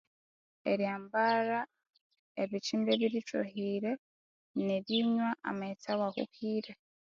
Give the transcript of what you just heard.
Eryambalha ebinkyimba ebirithohire nerinywa amaghetse awahuhire